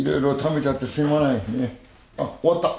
あっ終わった？